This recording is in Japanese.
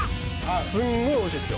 すんごいおいしいっすよ